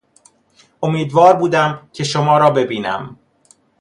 امیدوار بودم که شما را ببینم.